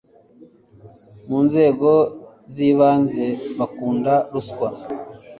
mu nzego zibanze bakunda ruswa